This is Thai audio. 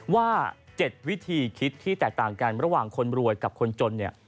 ว่า๗วิธีคิดที่แตกต่างกันระหว่างคนรวยกับคนจนเนี่ย